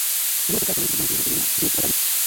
Kuanguka na kupigapiga miguu kisha kifo cha ghafla